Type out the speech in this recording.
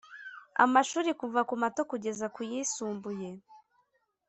Amashuri kuva ku mato kugeza kuyisumbuye